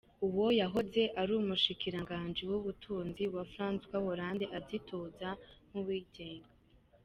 Uwo yahoze ari umushikiranganji w’ubutunzi wa Francois Hollande azitoza nk’uwigenga.